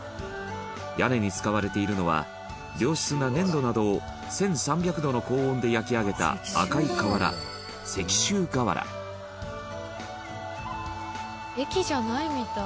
屋根に使われているのは良質な粘土などを１３００度の高温で焼き上げた赤い瓦、石州瓦本仮屋：駅じゃないみたい。